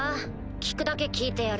聞くだけ聞いてやる。